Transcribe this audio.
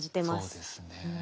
そうですね。